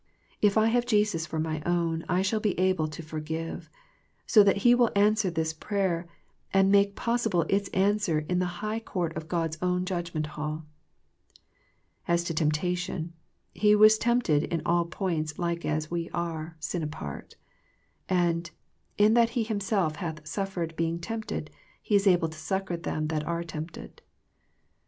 If I have Jesus for my own I shall be able to for give, so that He will answer this very prayer and make possible its answer in the high court of God's own judgment hall. As to temptation, " He was tempted in all points like as we are, sin apart." And " In that He Himself hath suffered being tempted. He is able to succour them that are tempted."